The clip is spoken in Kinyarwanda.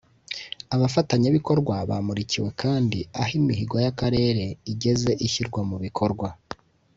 Abafatanyabikorwa bamurikiwe kandi aho imihigo y’Akarere igeze ishyirwa mu bikorwa